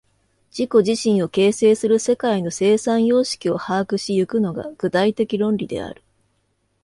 自己自身を形成する世界の生産様式を把握し行くのが、具体的論理である。